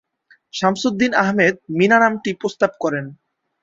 শামসুদ্দিন আহমেদ মীনা নামটি প্রস্তাব করেন।